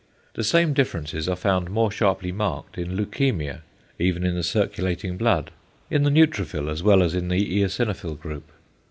The same differences are found more sharply marked in leukæmia even in the circulating blood, in the neutrophil as well as in the eosinophil group.